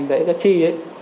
gãy các chi ấy